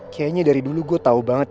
kayaknya dari dulu gue tau banget